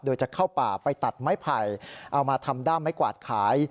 โดยจะเข้าป่าไปตัดไม้ไผ่เอามาทำด้ามไม้กวาดขาย